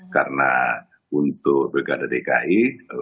karena untuk bukadah dki